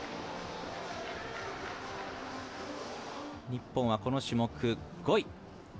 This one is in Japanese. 日本は、この種目５位。